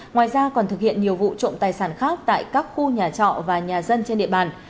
ngoài ra còn thực hiện nhiều vụ trộm tài sản khác tại các khu nhà trọ và nhà dân trên địa bàn